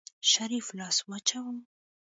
شريف لاس واچوه.